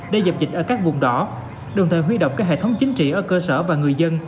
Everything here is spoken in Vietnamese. để dập dịch ở các vùng đỏ đồng thời huy động các hệ thống chính trị ở cơ sở và người dân